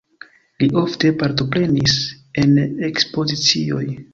Li ofte partoprenis en ekspozicioj.